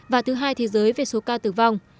và thứ hai thế giới về số ca tử vong